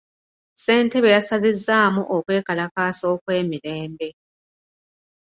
Ssentebe yasazizzaamu okwekalakaasa okw'emirembe.